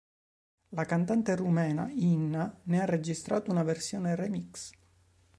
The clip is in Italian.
La cantante rumena Inna ne ha registrato una versione remix.